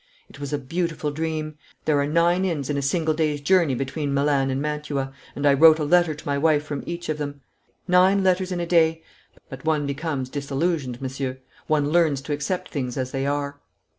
It was a beautiful dream! There are nine inns in a single day's journey between Milan and Mantua, and I wrote a letter to my wife from each of them. Nine letters in a day but one becomes disillusioned, monsieur. One learns to accept things as they are.'